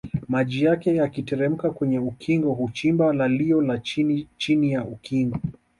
Maji yakiteremka kwenye ukingo huchimba lalio la chini Chini ya ukingo